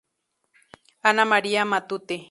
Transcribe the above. Ana María Matute.